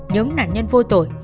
những nạn nhân vô tội